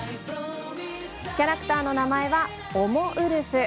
キャラクターの名前は、おもウルフ。